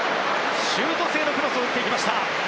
シュート性のクロスを打ちました。